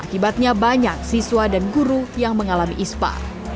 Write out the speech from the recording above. akibatnya banyak siswa dan guru yang mengalami ispa